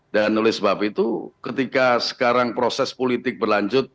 dan oleh sebab itu ketika sekarang proses politik berlanjut